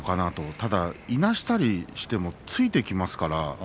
ただいなしたりしてもついていきますから。